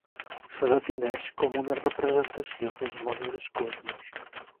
Es defineix com una representació del món i del cosmos.